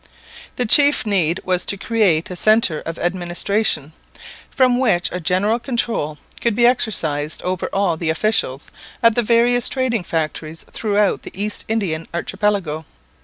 The chief need was to create a centre of administration, from which a general control could be exercised over all the officials at the various trading factories throughout the East Indian archipelago.